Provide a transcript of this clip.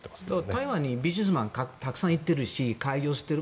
台湾のビジネスマンはたくさん行っているし開業している。